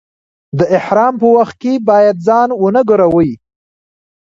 د احرام په وخت کې باید ځان و نه ګروئ.